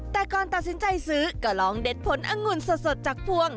แต่ก่อนตัดสินใจซื้อก็ลองเด็ดผลอังุ่นสดจากพวง